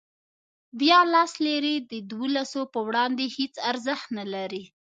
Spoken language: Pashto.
بیا لس لیرې د دولسو په وړاندې هېڅ ارزښت نه لري.